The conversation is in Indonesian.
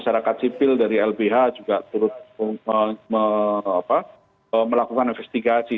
masyarakat sipil dari lbh juga turut melakukan investigasi